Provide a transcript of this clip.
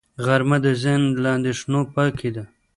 غرمه د ذهن له اندېښنو پاکي ده